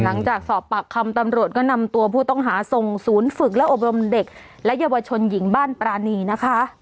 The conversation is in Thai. หลังจากสอบปากคำตำรวจก็นำตัวผู้ต้องหาส่งศูนย์ฝึกและอบรมเด็กและเยาวชนหญิงบ้านปรานีนะคะ